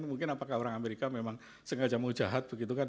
mungkin apakah orang amerika memang sengaja mau jahat begitu kan